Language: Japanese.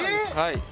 はい。